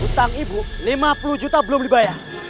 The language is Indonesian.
utang ibu lima puluh juta belum dibayar